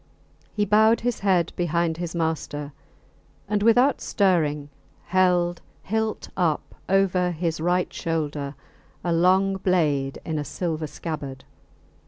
He bowed his head behind his master, and without stirring held hilt up over his right shoulder a long blade in a silver scabbard.